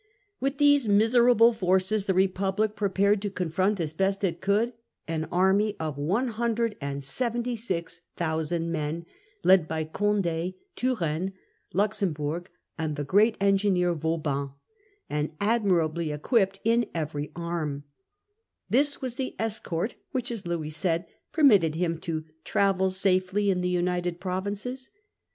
With these miserable forces the Republic prepared to confront as best it might an army of 176,000 men, led by Louis's Conde, Turenne, Luxemburg, and the great •""y* engineer Vauban, and admirably equipped in every arm. This was the * escort * which, as Louis said, permitted him 'to travel safely in the United Provinces.